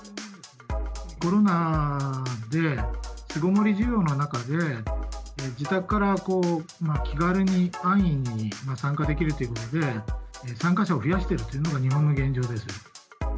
コロナで巣ごもり需要の中で、自宅から気軽に安易に参加できるということで、参加者を増やしているというのが日本の現状です。